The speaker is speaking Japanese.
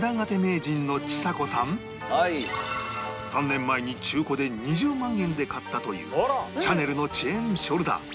３年前に中古で２０万円で買ったというシャネルのチェーンショルダー